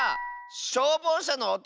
しょうぼうしゃのおと！